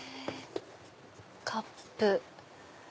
カップ。